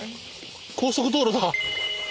高速道路だ。